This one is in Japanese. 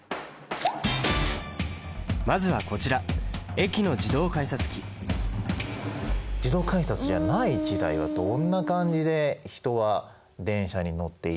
まずはこちら駅の自動改札じゃない時代はどんな感じで人は電車に乗っていたのか？